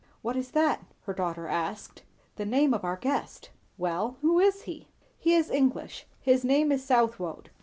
"What is that?" her husband asked. "The name of our guest." "Well who is he?" "He is English; his name is Southwode.